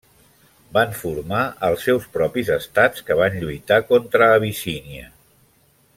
Van formar els seus propis estats que van lluitar contra Abissínia.